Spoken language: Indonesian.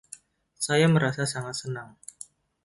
Saya merasa sangat senang.